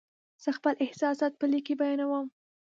زه خپل احساسات په لیک کې بیانوم.